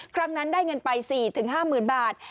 ครั้งนั้นได้เงินไป๔๕๐๐๐บาท